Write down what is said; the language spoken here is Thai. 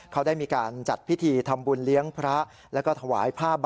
เขาได้มีการจัดพิธีทำบุญเลี้ยงพระ